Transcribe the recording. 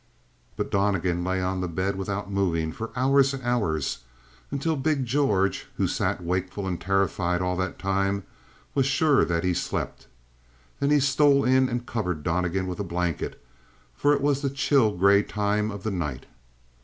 But Donnegan lay on the bed without moving for hours and hours, until big George, who sat wakeful and terrified all that time, was sure that he slept. Then he stole in and covered Donnegan with a blanket, for it was the chill, gray time of the night.